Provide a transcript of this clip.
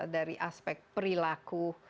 dari aspek perilaku